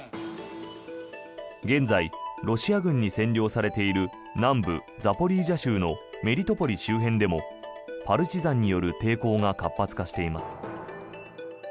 現在、ロシア軍に占領されている南部ザポリージャ州のメリトポリ周辺でもパルチザンによる抵抗が活発化しています。